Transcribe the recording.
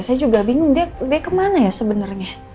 gue juga bingung dia kemana ya sebenernya